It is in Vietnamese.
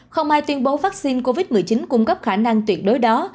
không ai tuyên bố vaccine covid một mươi chín cung cấp khả năng tuyệt đối đó